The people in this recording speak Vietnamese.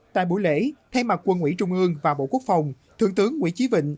tại buổi lễ thay mặt quân ủy trung ương và bộ quốc phòng thượng tướng nguyễn chí vịnh